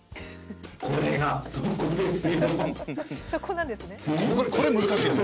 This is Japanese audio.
これが、そこなんですよ！